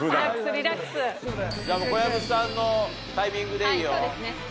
じゃあ小籔さんのタイミングでいいよ。